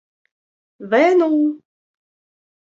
venu